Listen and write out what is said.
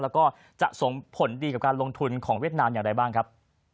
แล้วก็จะส่งผลดีกับการลงทุนของเวียดนามอย่างไรบ้างครับ